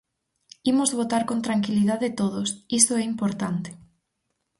Imos votar con tranquilidade todos, iso é importante.